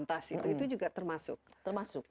lantas itu juga termasuk termasuk